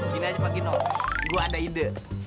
gini aja pak gino gua ada ide